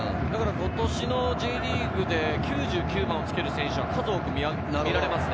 今年のＪリーグで９９番をつける選手、数多く見られますよね。